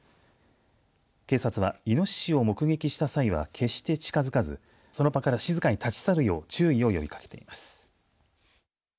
警察は、いのししを目撃した際は決して近づかずその場から静かに立ち去るよう注意を呼びかけています。